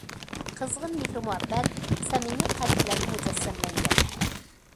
قىزغىن مېھىر- مۇھەببەت سەمىمىي قەلبلەرگە مۇجەسسەملەنگەن.